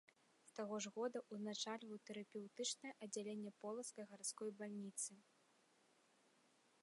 З таго ж года ўзначальваў тэрапеўтычнае аддзяленне полацкай гарадской бальніцы.